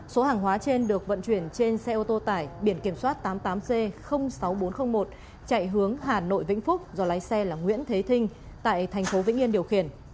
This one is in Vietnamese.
số hàng hóa trên được vận chuyển trên xe ô tô tải biển kiểm soát tám mươi tám c sáu nghìn bốn trăm linh một chạy hướng hà nội vĩnh phúc do lái xe là nguyễn thế thinh tại tp vĩnh yên điều khiển